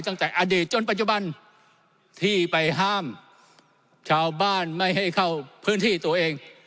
ตั้งแต่อดีตจนปัจจุบันที่ไปห้ามชาวบ้านไม่ให้เข้าพื้นที่ตัวเอง